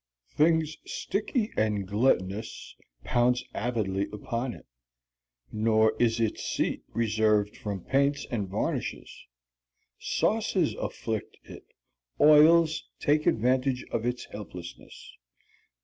Things sticky and glutinous pounce avidly upon it; nor is its seat reserved from paints and varnishes. Sauces afflict it. Oils take advantage of its helplessness.